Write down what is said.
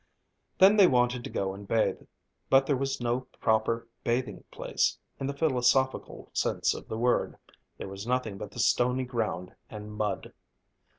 Then they wanted to go and bathe. But there was no proper bathing place, in the philosophical sense of the word. There was nothing but the stony ground and mud.